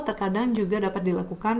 terkadang juga dapat dilakukan